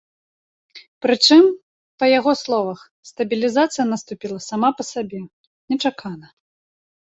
Прычым, па яго словах, стабілізацыя наступіла сама па сабе, нечакана.